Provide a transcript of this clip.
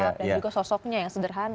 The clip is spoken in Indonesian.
dan juga sosoknya yang sederhana